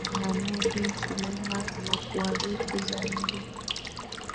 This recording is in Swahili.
na nurdin sulemani anakuarifu zaidi